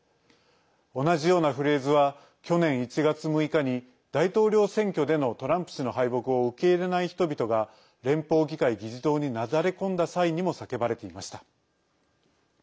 同じようなフレーズは去年１月６日に大統領選挙でのトランプ氏の敗北を受け入れない人々が連邦議会議事堂になだれ込んだ際にも叫ばれていました。